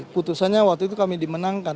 putusannya waktu itu kami dimenangkan